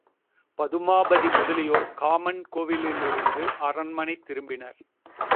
பதுமாபதி முதலியோர் காமன் கோவிலிருந்து அரண்மனை திரும்பினர்.